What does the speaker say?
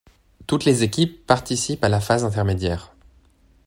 Toutes les équipes participent à la phase intermédiaire.